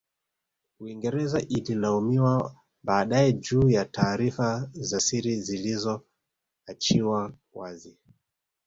Uingereza Ililaumiwa baadae juu ya taarifa za siri zilizo achiwa wazi